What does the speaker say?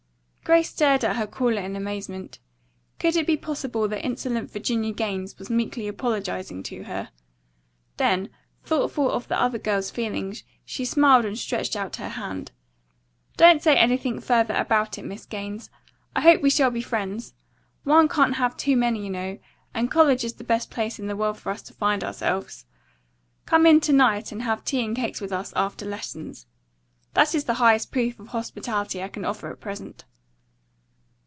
Grace stared at her caller in amazement. Could it be possible that insolent Virginia Gaines was meekly apologizing to her. Then, thoughtful of the other girl's feelings, she smiled and stretched out her hand: "Don't say anything further about it, Miss Gaines. I hope we shall be friends. One can't have too many, you know, and college is the best place in the world for us to find ourselves. Come in to night and have tea and cakes with us after lessons. That is the highest proof of hospitality I can offer at present."